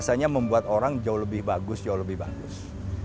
biasanya membuat orang jauh lebih bagus jauh lebih bagus